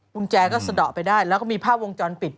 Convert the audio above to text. กุญแจก็สะดอกไปได้แล้วก็มีภาพวงจรปิด